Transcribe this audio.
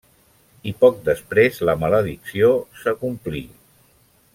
I poc després la maledicció s'acomplí.